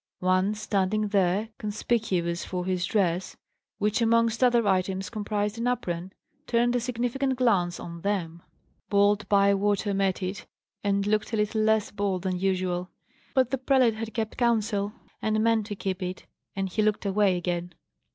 One, standing there, conspicuous for his dress, which amongst other items comprised an apron, turned a significant glance on them. Bold Bywater met it, and looked a little less bold than usual. But the prelate had kept counsel, and meant to keep it; and he looked away again.